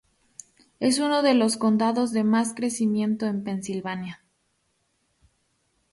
Es uno de los condados de más crecimiento en Pensilvania.